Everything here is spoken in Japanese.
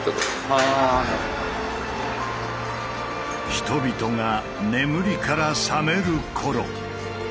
人々が眠りから覚める頃。